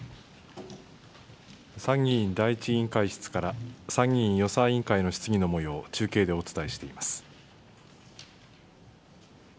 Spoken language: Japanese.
参議院第１委員会室から参議院予算委員会の質疑のもようを中継でお伝えしています。